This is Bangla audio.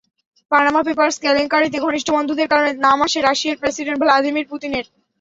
পানামা পেপারস কেলেঙ্কারিতে ঘনিষ্ঠ বন্ধুদের কারণে নাম আসে রাশিয়ার প্রেসিডেন্ট ভ্লাদিমির পুতিনের।